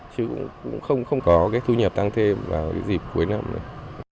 chứ cũng không có cái thu nhập tăng thêm vào cái dịp cuối năm này